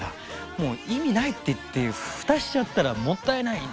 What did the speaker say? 「もう意味ない」っていって蓋しちゃったらもったいないですよね。